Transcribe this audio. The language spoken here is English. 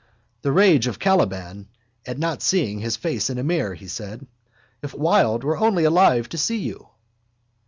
—The rage of Caliban at not seeing his face in a mirror, he said. If Wilde were only alive to see you!